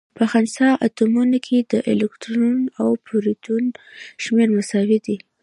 په خنثا اتومونو کي د الکترون او پروتون شمېر مساوي. دی